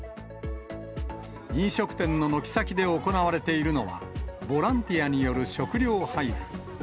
飲食店の軒先で行われているのは、ボランティアによる食料配布。